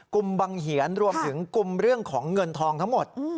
มบังเหียนรวมถึงกลุ่มเรื่องของเงินทองทั้งหมด